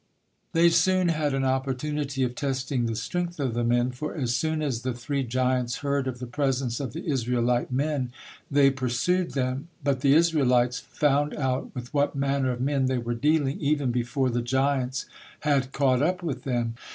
They soon had an opportunity of testing the strength of the men, for as soon as the three giants heard of the presence of the Israelite men, they pursued them, but the Israelites found out with what manner of men they were dealing even before the giants had caught up with them.